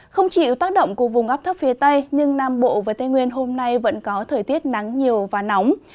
không chịu tác động của vùng ấp thấp phía tây nhưng nam bộ và tây nguyên hôm nay vẫn có thời tiết nắng nhiều và nóng